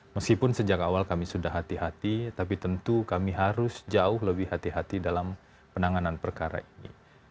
meskipun sejak awal kami sudah hati hati tapi tentu kami harus jauh lebih hati hati dalam penanganan perkara ini